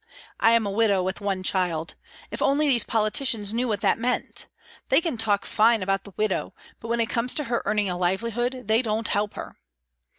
I am a widow with one child. If only these politicians knew what that meant ! They can talk fine about the widow, but when it comes to her earning a livelihood they don't help her."